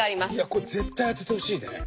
これ絶対当ててほしいね。